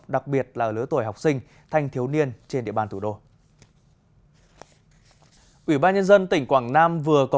đặc biệt là lứa tuổi học sinh thanh thiếu niên trên địa bàn thủ đô